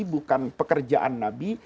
bukan pekerjaan nabi